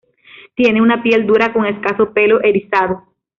Tiene una piel dura con escaso pelo erizado.